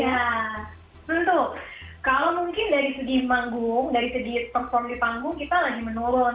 ya tentu kalau mungkin dari segi panggung dari segi perform di panggung kita lagi menurun